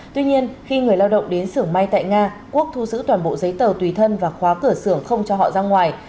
tuy nhiên khi người lao động đến xưởng may tại nga quốc thu giữ toàn bộ giấy tờ tùy thân và khóa cửa xưởng không cho họ ra ngoài